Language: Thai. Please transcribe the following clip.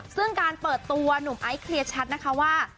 ซึ่งการเปิดตัวหนุ่มไอซ์เคลียร์ชัดนะคะว่า